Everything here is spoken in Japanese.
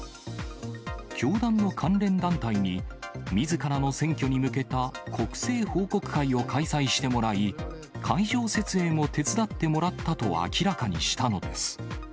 教団の関連団体に、みずからの選挙に向けた国政報告会を開催してもらい、会場設営も手伝ってもらったと明らかにしたのです。